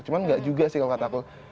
cuma nggak juga sih kalau kata aku